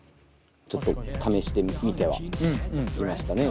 ちょっと試してみてはいましたね